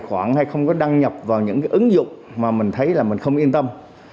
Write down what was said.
khoản hay không có đăng nhập vào những cái ứng dụng mà mình thấy là mình không yên tâm